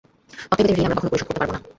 অতএব এদের ঋণ আমরা কখনও পরিশোধ করতে পারব না।